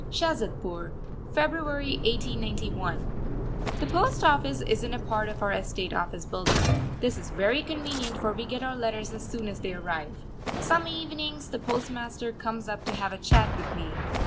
SHAZADPUR, February 1891. The post office is in a part of our estate office building, this is very convenient, for we get our letters as soon as they arrive. Some evenings the postmaster comes up to have a chat with me.